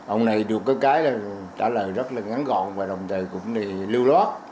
ông này được cái là trả lời rất là ngắn gọn và đồng thời cũng lưu lót